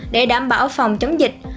để đảm bảo phòng chống dịch